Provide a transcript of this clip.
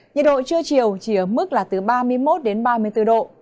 nhiệt độ trưa chiều chỉ ở mức là từ ba mươi một đến ba mươi bốn độ